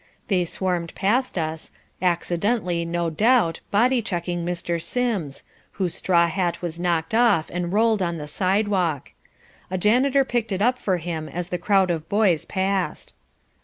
They swarmed past us, accidentally, no doubt, body checking Mr. Sims, whose straw hat was knocked off and rolled on the sidewalk. A janitor picked it up for him as the crowd of boys passed.